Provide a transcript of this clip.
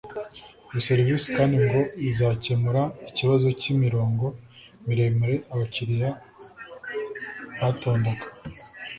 Iyo serivisi kandi ngo izakemura ikibazo cy’imirongo miremire abakiriya batondaga